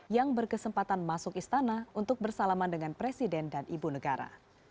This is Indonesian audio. yang berkesempatan masuk istana untuk bersalaman dengan presiden dan ibu negara